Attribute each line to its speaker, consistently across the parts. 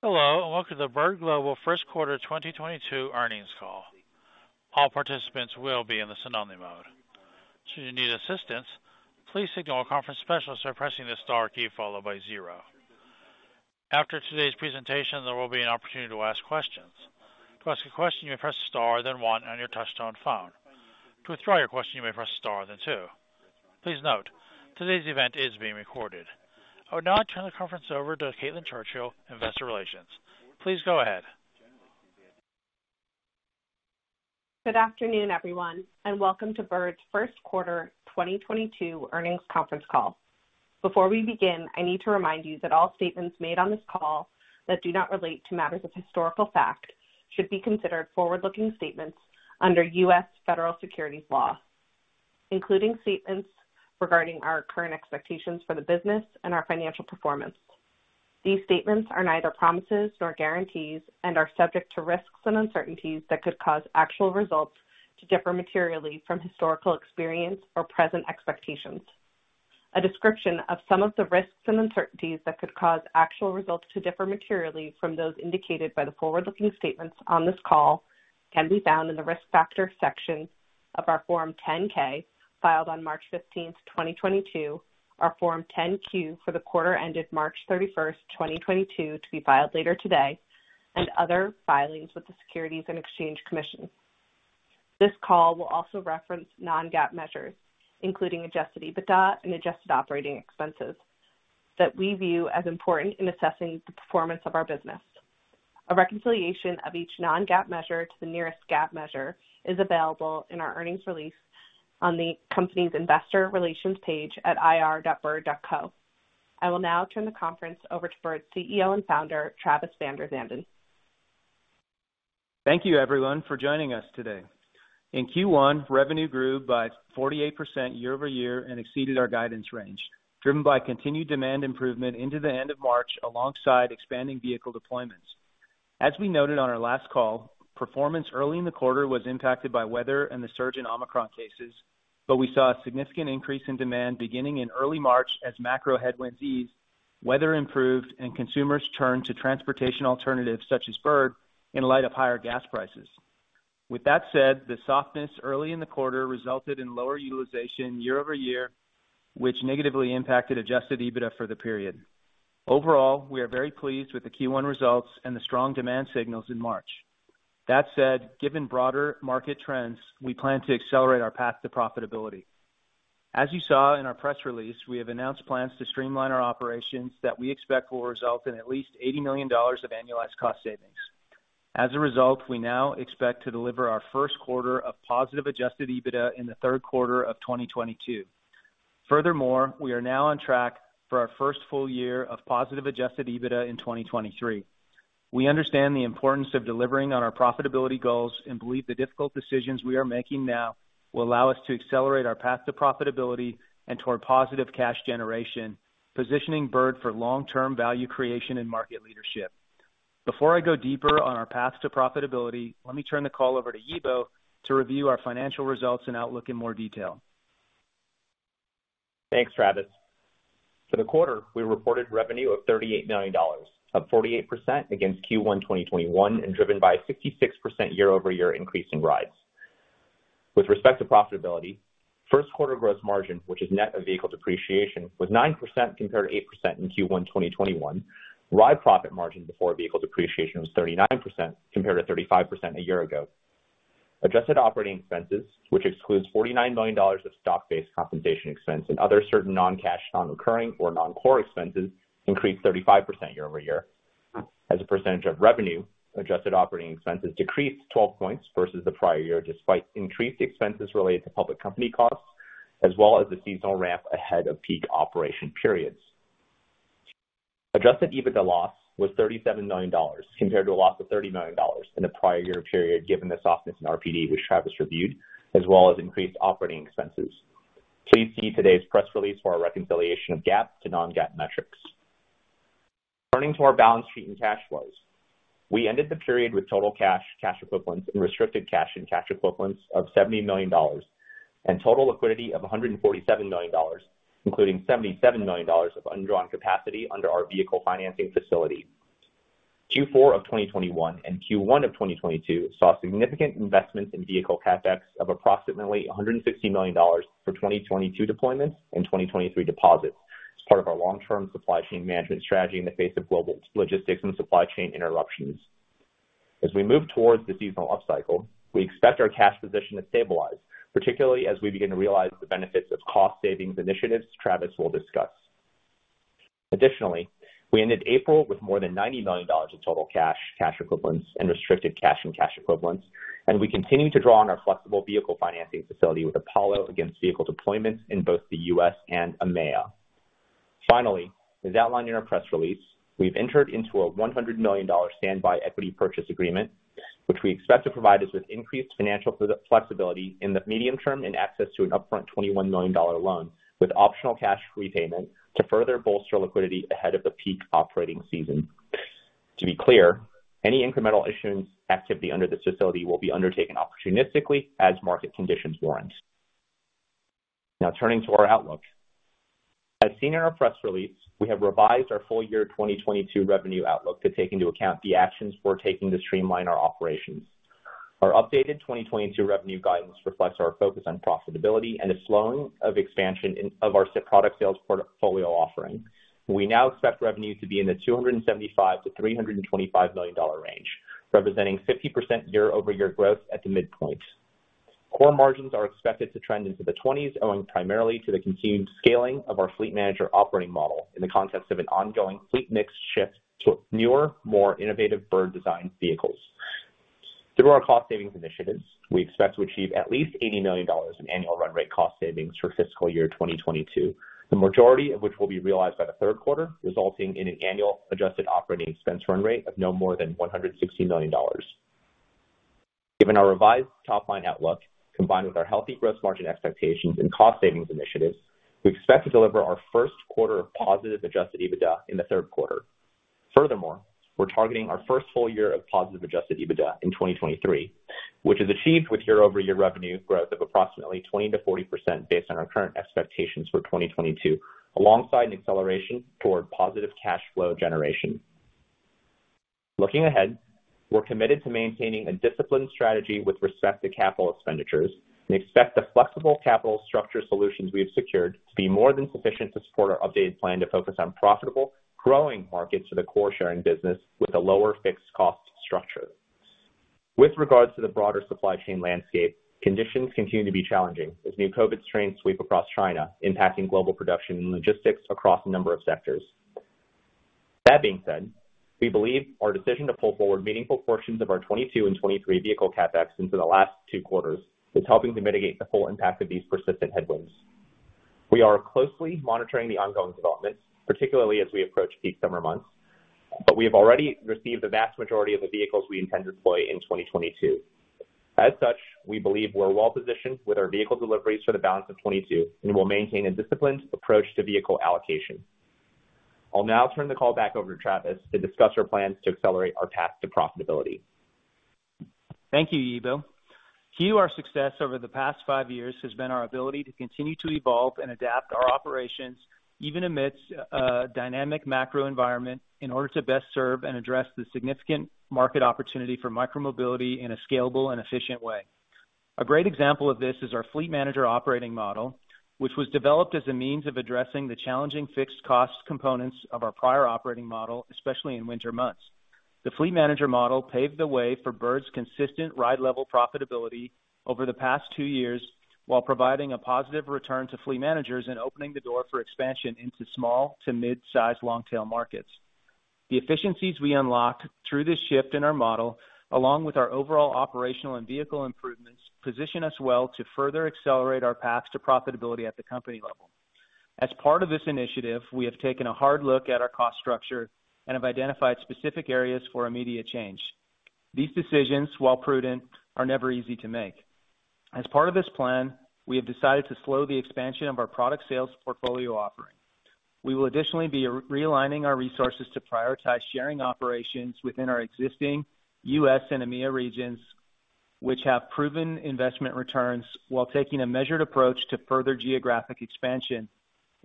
Speaker 1: Hello, and welcome to the Bird Global First Quarter 2022 earnings call. All participants will be in the listen-only mode. Should you need assistance, please signal a conference specialist by pressing the star key followed by zero. After today's presentation, there will be an opportunity to ask questions. To ask a question, you may press star then one on your touch-tone phone. To withdraw your question, you may press star then two. Please note, today's event is being recorded. I would now turn the conference over to Caitlin Churchill, Investor Relations. Please go ahead.
Speaker 2: Good afternoon, everyone, and welcome to Bird's First Quarter 2022 earnings conference call. Before we begin, I need to remind you that all statements made on this call that do not relate to matters of historical fact should be considered forward-looking statements under U.S. Federal Securities Law, including statements regarding our current expectations for the business and our financial performance. These statements are neither promises nor guarantees and are subject to risks and uncertainties that could cause actual results to differ materially from historical experience or present expectations. A description of some of the risks and uncertainties that could cause actual results to differ materially from those indicated by the forward-looking statements on this call can be found in the Risk Factor section of our Form 10-K filed on March 15th, 2022, our Form 10-Q for the quarter ended March 31st, 2022, to be filed later today, and other filings with the Securities and Exchange Commission. This call will also reference Non-GAAP measures, including Adjusted EBITDA and adjusted operating expenses that we view as important in assessing the performance of our business. A reconciliation of each Non-GAAP measure to the nearest GAAP measure is available in our earnings release on the company's investor relations page at ir.bird.co. I will now turn the conference over to Bird's Chief Executive Officer and founder, Travis VanderZanden.
Speaker 3: Thank you everyone for joining us today. In Q1, revenue grew by 48% year-over-year and exceeded our guidance range, driven by continued demand improvement into the end of March, alongside expanding vehicle deployments. As we noted on our last call, performance early in the quarter was impacted by weather and the surge in Omicron cases, but we saw a significant increase in demand beginning in early March as macro headwinds eased, weather improved, and consumers turned to transportation alternatives such as Bird in light of higher gas prices. With that said, the softness early in the quarter resulted in lower utilization year-over-year, which negatively impacted Adjusted EBITDA for the period. Overall, we are very pleased with the Q1 results and the strong demand signals in March. That said, given broader market trends, we plan to accelerate our path to profitability. As you saw in our press release, we have announced plans to streamline our operations that we expect will result in at least $80 million of annualized cost savings. As a result, we now expect to deliver our first quarter of positive Adjusted EBITDA in the third quarter of 2022. Furthermore, we are now on track for our first full year of positive Adjusted EBITDA in 2023. We understand the importance of delivering on our profitability goals and believe the difficult decisions we are making now will allow us to accelerate our path to profitability and toward positive cash generation, positioning Bird for long-term value creation and market leadership. Before I go deeper on our path to profitability, let me turn the call over to Yibo to review our financial results and outlook in more detail.
Speaker 4: Thanks, Travis. For the quarter, we reported revenue of $38 million, up 48% against Q1 2021 and driven by a 66% year-over-year increase in rides. With respect to profitability, first quarter gross margin, which is net of vehicle depreciation, was 9% compared to 8% in Q1 2021. Ride profit margin before vehicle depreciation was 39% compared to 35% a year ago. Adjusted operating expenses, which excludes $49 million of stock-based compensation expense and other certain non-cash, non-recurring or non-core expenses, increased 35% year-over-year. As a percentage of revenue, adjusted operating expenses decreased 12 points versus the prior year, despite increased expenses related to public company costs, as well as the seasonal ramp ahead of peak operation periods. Adjusted EBITDA loss was $37 million compared to a loss of $30 million in the prior year period, given the softness in RPD, which Travis reviewed, as well as increased operating expenses. Please see today's press release for a reconciliation of GAAP to Non-GAAP metrics. Turning to our balance sheet and cash flows. We ended the period with total cash equivalents and restricted cash and cash equivalents of $70 million and total liquidity of $147 million, including $77 million of undrawn capacity under our vehicle financing facility. Q4 of 2021 and Q1 of 2022 saw significant investments in vehicle CapEx of approximately $160 million for 2022 deployments and 2023 deposits as part of our long-term supply chain management strategy in the face of global logistics and supply chain interruptions. As we move towards the seasonal upcycle, we expect our cash position to stabilize, particularly as we begin to realize the benefits of cost savings initiatives Travis will discuss. Additionally, we ended April with more than $90 million in total cash equivalents and restricted cash and cash equivalents, and we continue to draw on our flexible vehicle financing facility with Apollo against vehicle deployments in both the U.S. and EMEA. Finally, as outlined in our press release, we've entered into a $100 million standby equity purchase agreement, which we expect to provide us with increased financial flexibility in the medium term and access to an upfront $21 million loan with optional cash repayment to further bolster liquidity ahead of the peak operating season. To be clear, any incremental issuance activity under this facility will be undertaken opportunistically as market conditions warrant. Now turning to our outlook. As seen in our press release, we have revised our full year 2022 revenue outlook to take into account the actions we're taking to streamline our operations. Our updated 2022 revenue guidance reflects our focus on profitability and a slowing of expansion in our product sales portfolio offering. We now expect revenue to be in the $275 million-$325 million range, representing 50% year-over-year growth at the midpoint. Core margins are expected to trend into the twenties, owing primarily to the continued scaling of our fleet manager operating model in the context of an ongoing fleet mix shift to newer, more innovative Bird-designed vehicles. Through our cost savings initiatives, we expect to achieve at least $80 million in annual run rate cost savings for fiscal year 2022, the majority of which will be realized by the third quarter, resulting in an annual adjusted operating expense run rate of no more than $160 million. Given our revised top line outlook, combined with our healthy gross margin expectations and cost savings initiatives, we expect to deliver our first quarter of positive adjusted EBITDA in the third quarter. Furthermore, we're targeting our first full year of positive adjusted EBITDA in 2023, which is achieved with year-over-year revenue growth of approximately 20%-40% based on our current expectations for 2022, alongside an acceleration toward positive cash flow generation. Looking ahead, we're committed to maintaining a disciplined strategy with respect to capital expenditures and expect the flexible capital structure solutions we have secured to be more than sufficient to support our updated plan to focus on profitable, growing markets for the core sharing business with a lower fixed cost structure. With regards to the broader supply chain landscape, conditions continue to be challenging as new COVID strains sweep across China, impacting global production and logistics across a number of sectors. That being said, we believe our decision to pull forward meaningful portions of our 2022 and 2023 vehicle CapEx into the last two quarters is helping to mitigate the full impact of these persistent headwinds. We are closely monitoring the ongoing developments, particularly as we approach peak summer months, but we have already received the vast majority of the vehicles we intend to deploy in 2022. As such, we believe we're well positioned with our vehicle deliveries for the balance of 2022, and we'll maintain a disciplined approach to vehicle allocation. I'll now turn the call back over to Travis to discuss our plans to accelerate our path to profitability.
Speaker 3: Thank you, Yibo. Key to our success over the past five years has been our ability to continue to evolve and adapt our operations, even amidst a dynamic macro environment, in order to best serve and address the significant market opportunity for micromobility in a scalable and efficient way. A great example of this is our fleet manager operating model, which was developed as a means of addressing the challenging fixed cost components of our prior operating model, especially in winter months. The fleet manager model paved the way for Bird's consistent ride level profitability over the past two years, while providing a positive return to fleet managers and opening the door for expansion into small to mid-size long tail markets. The efficiencies we unlocked through this shift in our model, along with our overall operational and vehicle improvements, position us well to further accelerate our paths to profitability at the company level. As part of this initiative, we have taken a hard look at our cost structure and have identified specific areas for immediate change. These decisions, while prudent, are never easy to make. As part of this plan, we have decided to slow the expansion of our product sales portfolio offering. We will additionally be realigning our resources to prioritize sharing operations within our existing U.S. and EMEA regions, which have proven investment returns, while taking a measured approach to further geographic expansion.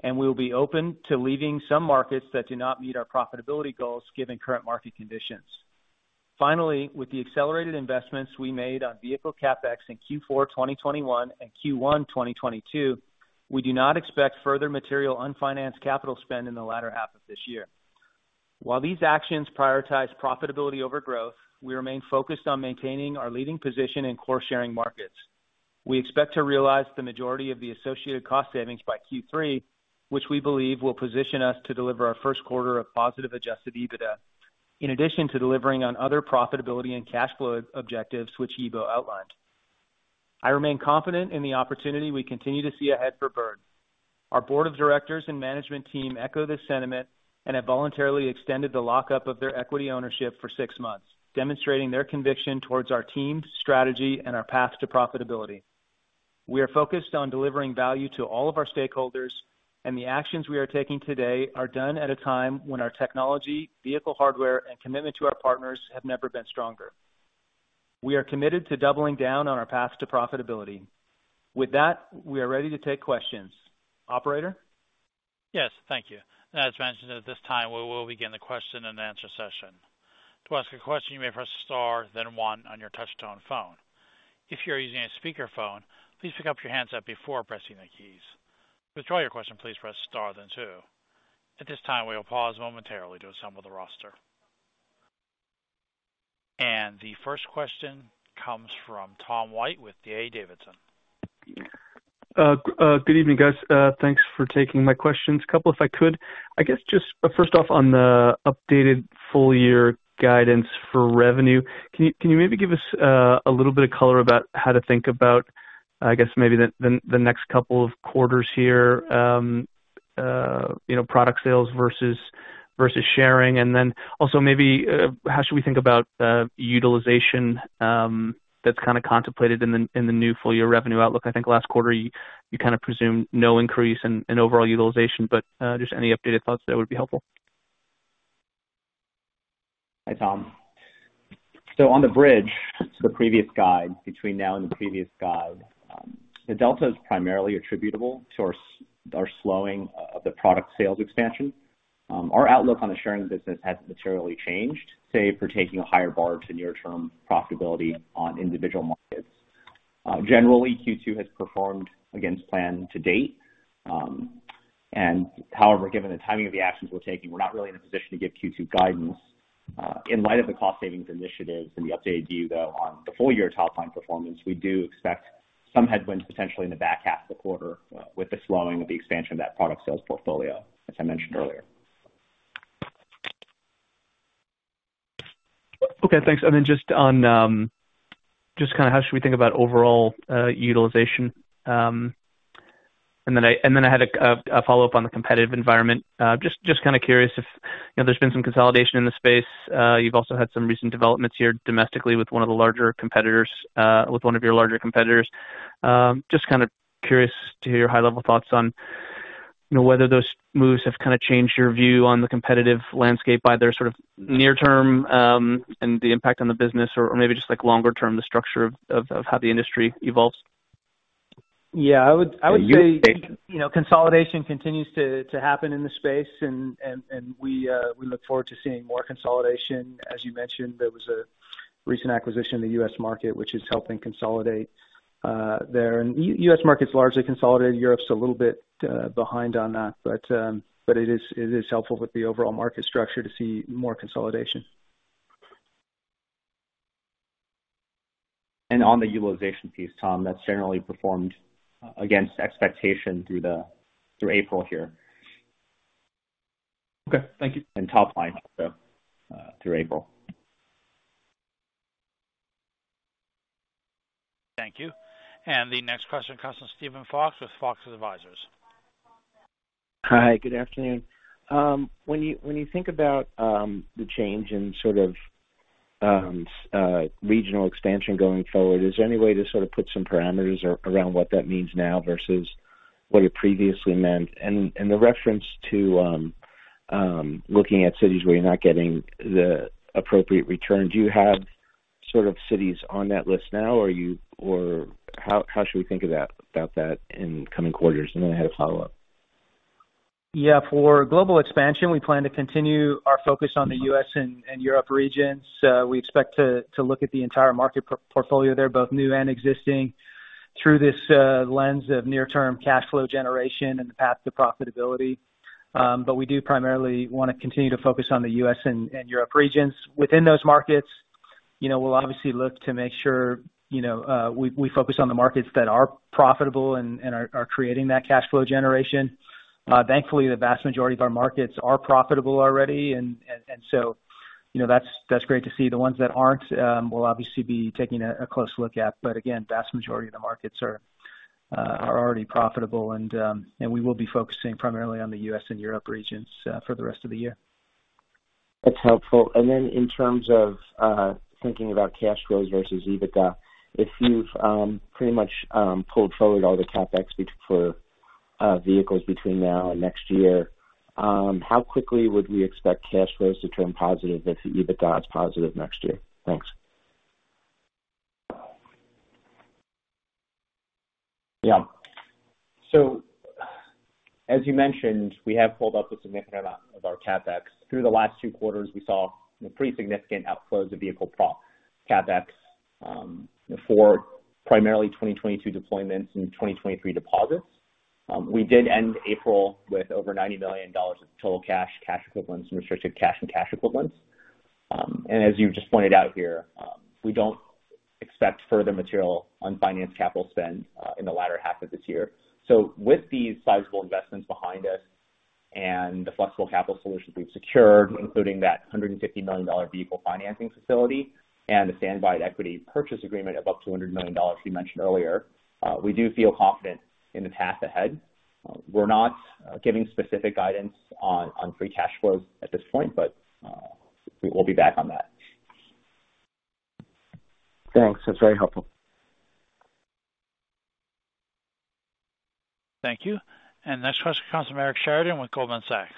Speaker 3: We will be open to leaving some markets that do not meet our profitability goals given current market conditions. Finally, with the accelerated investments we made on vehicle CapEx in Q4 2021 and Q1 2022, we do not expect further material unfinanced capital spend in the latter half of this year. While these actions prioritize profitability over growth, we remain focused on maintaining our leading position in core sharing markets. We expect to realize the majority of the associated cost savings by Q3, which we believe will position us to deliver our first quarter of positive Adjusted EBITDA, in addition to delivering on other profitability and cash flow objectives, which Yibo outlined. I remain confident in the opportunity we continue to see ahead for Bird. Our board of directors and management team echo this sentiment and have voluntarily extended the lockup of their equity ownership for six months, demonstrating their conviction towards our team, strategy, and our path to profitability. We are focused on delivering value to all of our stakeholders, and the actions we are taking today are done at a time when our technology, vehicle hardware, and commitment to our partners have never been stronger. We are committed to doubling down on our path to profitability. With that, we are ready to take questions. Operator?
Speaker 1: Yes. Thank you. As mentioned, at this time, we will begin the question and answer session. To ask a question, you may press star, then one on your touch-tone phone. If you're using a speakerphone, please pick up your handset before pressing the keys. To withdraw your question, please press star, then two. At this time, we will pause momentarily to assemble the roster. The first question comes from Tom White with D.A. Davidson.
Speaker 5: Good evening, guys. Thanks for taking my questions. A couple if I could. I guess just first off on the updated full year guidance for revenue, can you maybe give us a little bit of color about how to think about, I guess maybe the next couple of quarters here, you know, product sales versus sharing? Also maybe how should we think about utilization that's kind of contemplated in the new full year revenue outlook? I think last quarter you kind of presumed no increase in overall utilization, but just any updated thoughts there would be helpful.
Speaker 4: Hi, Tom. On the bridge to the previous guide between now and the previous guide, the delta is primarily attributable to our slowing of the product sales expansion. Our outlook on the sharing business hasn't materially changed, save for taking a higher bar to near-term profitability on individual markets. Generally, Q2 has performed against plan to date, and however, given the timing of the actions we're taking, we're not really in a position to give Q2 guidance. In light of the cost savings initiatives and the updated view, though, on the full-year top line performance, we do expect some headwinds potentially in the back half of the quarter with the slowing of the expansion of that product sales portfolio, as I mentioned earlier.
Speaker 5: Okay, thanks. Just on just kinda how should we think about overall utilization. I had a follow-up on the competitive environment. Just kinda curious if, you know, there's been some consolidation in the space. You've also had some recent developments here domestically with one of the larger competitors, with one of your larger competitors. Just kind of curious to hear your high-level thoughts on, you know, whether those moves have kinda changed your view on the competitive landscape by their sort of near term, and the impact on the business or maybe just like longer-term, the structure of how the industry evolves.
Speaker 3: Yeah. I would say, you know, consolidation continues to happen in this space and we look forward to seeing more consolidation. As you mentioned, there was a recent acquisition in the U.S. market, which is helping consolidate there. U.S. market's largely consolidated. Europe's a little bit behind on that. It is helpful with the overall market structure to see more consolidation.
Speaker 4: On the utilization piece, Tom, that's generally performed against expectation through April here.
Speaker 5: Okay. Thank you.
Speaker 4: Top line, so, through April.
Speaker 1: Thank you. The next question comes from Stephen Fox with Fox Advisors.
Speaker 6: Hi, good afternoon. When you think about the change in sort of regional expansion going forward, is there any way to sort of put some parameters around what that means now versus what it previously meant? The reference to looking at cities where you're not getting the appropriate return, do you have sort of cities on that list now, or how should we think of that about that in coming quarters? I had a follow-up.
Speaker 3: Yeah. For global expansion, we plan to continue our focus on the U.S. and Europe regions. We expect to look at the entire market portfolio there, both new and existing, through this lens of near-term cash flow generation and the path to profitability. We do primarily want to continue to focus on the U.S. and Europe regions. Within those markets, you know, we'll obviously look to make sure, you know, we focus on the markets that are profitable and are creating that cash flow generation. Thankfully, the vast majority of our markets are profitable already. You know, that's great to see. The ones that aren't, we'll obviously be taking a close look at. Again, vast majority of the markets are already profitable, and we will be focusing primarily on the U.S. and Europe regions for the rest of the year.
Speaker 6: That's helpful. In terms of thinking about cash flows versus EBITDA, if you've pretty much pulled forward all the CapEx for vehicles between now and next year, how quickly would we expect cash flows to turn positive if the EBITDA is positive next year? Thanks.
Speaker 4: Yeah. As you mentioned, we have pulled up a significant amount of our CapEx. Through the last two quarters, we saw pretty significant outflows of vehicle CapEx for primarily 2022 deployments and 2023 deposits. We did end April with over $90 million of total cash equivalents, and restricted cash and cash equivalents. As you just pointed out here, we don't expect further material on financed capital spend in the latter half of this year. With these sizable investments behind us and the flexible capital solutions we've secured, including that $150 million vehicle financing facility and the standby equity purchase agreement of up to $100 million you mentioned earlier, we do feel confident in the path ahead. We're not giving specific guidance on free cash flows at this point, but we will be back on that.
Speaker 6: Thanks. That's very helpful.
Speaker 1: Thank you. Next question comes from Eric Sheridan with Goldman Sachs.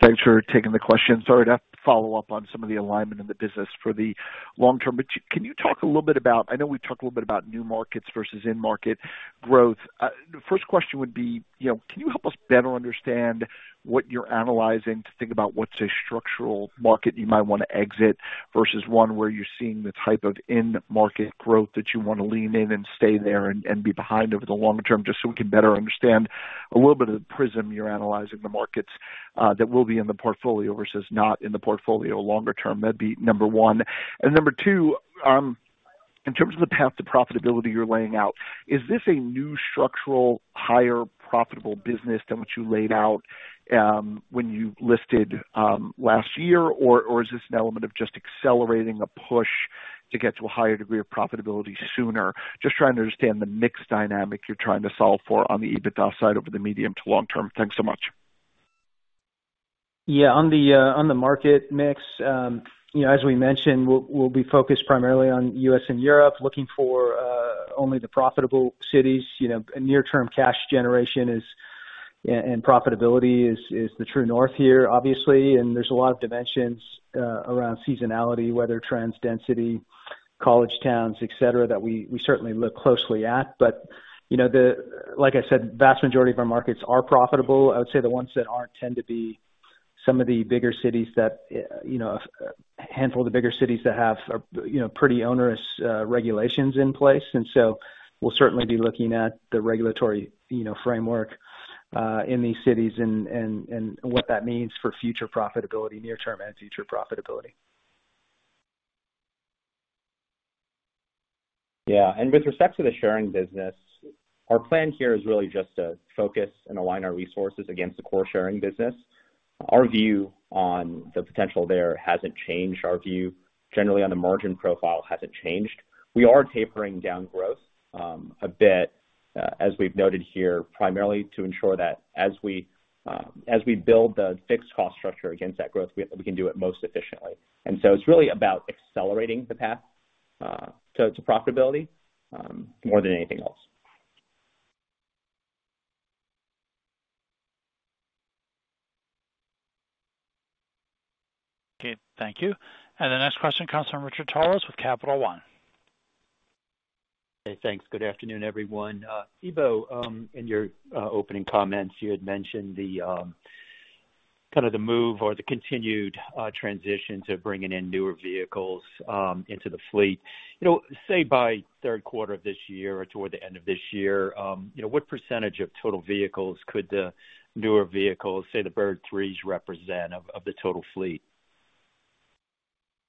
Speaker 7: Thanks for taking the question. Sorry to have to follow up on some of the alignment in the business for the long term, but can you talk a little bit about, I know we talked a little bit about new markets versus in-market growth. The first question would be, you know, can you help us better understand what you're analyzing to think about what's a structural market you might wanna exit versus one where you're seeing the type of in-market growth that you wanna lean in and stay there and be behind over the long term, just so we can better understand a little bit of the prism you're analyzing the markets, that will be in the portfolio versus not in the portfolio longer term? That'd be number one. Number two, in terms of the path to profitability you're laying out, is this a new structural, higher profitable business than what you laid out, when you listed, last year? Or is this an element of just accelerating the push to get to a higher degree of profitability sooner? Just trying to understand the mix dynamic you're trying to solve for on the EBITDA side over the medium to long term. Thanks so much.
Speaker 3: Yeah. On the market mix, you know, as we mentioned, we'll be focused primarily on U.S. and Europe, looking for only the profitable cities, you know, near-term cash generation is, and profitability is the true north here, obviously. There's a lot of dimensions around seasonality, weather trends, density, college towns, et cetera, that we certainly look closely at. You know, like I said, vast majority of our markets are profitable. I would say the ones that aren't tend to be some of the bigger cities that, you know, a handful of the bigger cities that have, you know, pretty onerous regulations in place. We'll certainly be looking at the regulatory, you know, framework in these cities and what that means for future profitability, near-term and future profitability.
Speaker 4: Yeah. With respect to the sharing business, our plan here is really just to focus and align our resources against the core sharing business. Our view on the potential there hasn't changed. Our view generally on the margin profile hasn't changed. We are tapering down growth, a bit, as we've noted here, primarily to ensure that as we build the fixed cost structure against that growth, we can do it most efficiently. It's really about accelerating the path to profitability, more than anything else.
Speaker 1: Okay, thank you. The next question comes from Richard Tullis with Capital One Securities.
Speaker 8: Hey, thanks. Good afternoon, everyone. Yibo, in your opening comments, you had mentioned the kind of the move or the continued transition to bringing in newer vehicles into the fleet. You know, say, by third quarter of this year or toward the end of this year, you know, what percentage of total vehicles could the newer vehicles, say, the Bird Three, represent of the total fleet?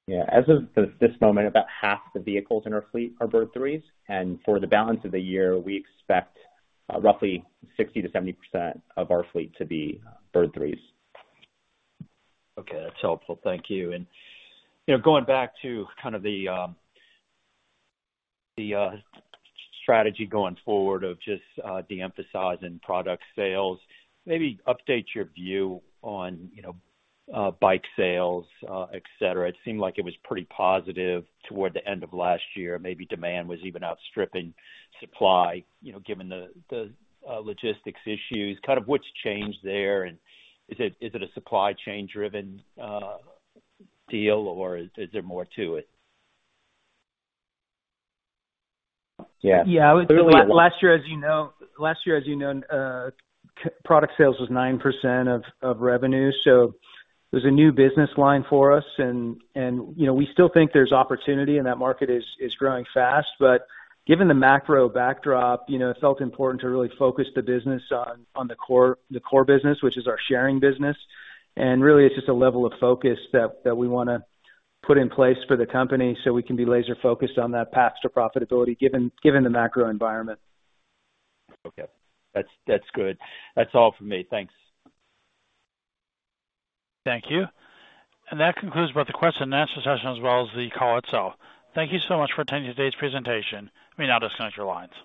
Speaker 4: Yeah. As of this moment, about half the vehicles in our fleet are Bird Three, and for the balance of the year, we expect roughly 60%-70% of our fleet to be Bird Three.
Speaker 8: Okay. That's helpful. Thank you. You know, going back to kind of the strategy going forward of just de-emphasizing product sales, maybe update your view on, you know, bike sales, et cetera. It seemed like it was pretty positive toward the end of last year. Maybe demand was even outstripping supply, you know, given the logistics issues. Kind of what's changed there, and is it a supply chain driven deal, or is there more to it?
Speaker 4: Yeah.
Speaker 3: Yeah. Last year, as you know, product sales was 9% of revenue. So it was a new business line for us and, you know, we still think there's opportunity and that market is growing fast. But given the macro backdrop, you know, it felt important to really focus the business on the core business, which is our sharing business. Really it's just a level of focus that we wanna put in place for the company so we can be laser-focused on that path to profitability, given the macro environment.
Speaker 8: Okay. That's good. That's all for me. Thanks.
Speaker 1: Thank you. That concludes both the question and answer session as well as the call itself. Thank you so much for attending today's presentation. You may now disconnect your line.